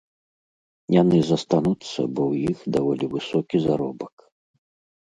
Яны застануцца, бо ў іх даволі высокі заробак.